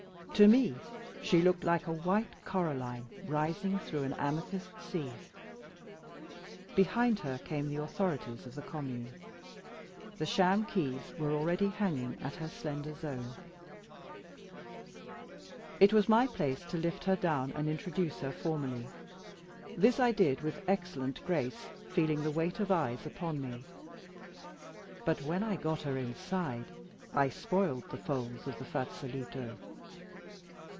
To me she looked like a white coralline rising through an amethyst sea. Behind her came the authorities of the commune. The sham keys were already hanging at her slender zone. It was my place to lift her down and introduce her formally. This I did with excellent grace, feeling the weight of eyes upon me. But when I got her inside, I spoiled the folds of the fazoletto.